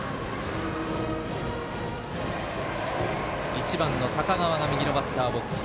１番の高川が右のバッターボックス。